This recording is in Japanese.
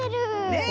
ねえ。